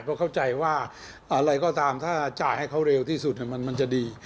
เพราะเข้าใจว่าอะไรก็ตามถ้าจ่ายให้เขาเร็วที่สุดมันจะดี